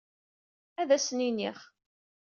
Ad asen-iniɣ.